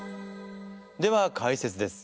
では解説です。